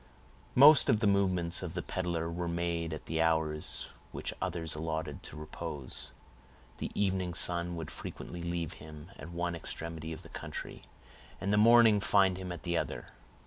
Most of the movements of the peddler were made at the hours which others allotted to repose. The evening sun would frequently leave him at one extremity of the county, and the morning find him at the other.